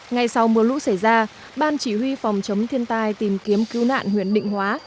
ngay sau mưa lũ xảy ra ban chỉ huy phòng chống thiên tai tìm kiếm cứu nạn huyện định hóa